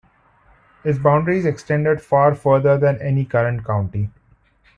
Its boundaries extended far further than any current county.